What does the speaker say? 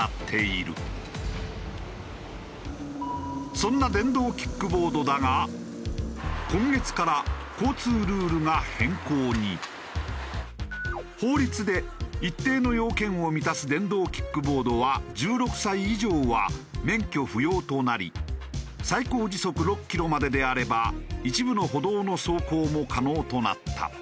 そんな電動キックボードだが法律で一定の要件を満たす電動キックボードは１６歳以上は免許不要となり最高時速６キロまでであれば一部の歩道の走行も可能となった。